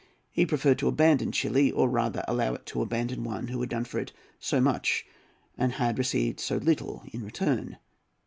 He preferred to abandon Chili, or rather to allow it to abandon one who had done for it so much and had received so little in return.